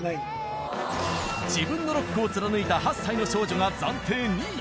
自分のロックを貫いた８歳の少女が暫定２位。